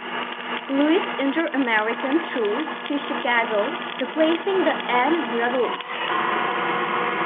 Louis "Inter-American" through to Chicago, replacing the "Ann Rutledge.